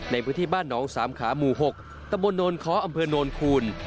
ในพื้นที่บ้านหนองสามขาหมู่๖ตำบลโนนค้ออำเภอโนนคูณ